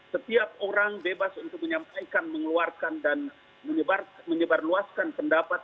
setiap orang bebas untuk menyampaikan mengeluarkan dan menyebarluaskan pendapat